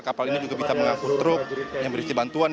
kapal ini juga bisa mengangkut truk yang berisi bantuan